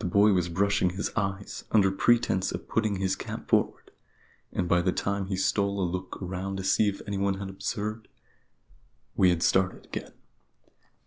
The boy was brushing his eyes, under pretence of putting his cap forward; and by the time he stole a look around to see if anyone had observed, we had started again.